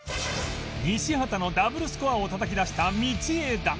西畑のダブルスコアをたたき出した道枝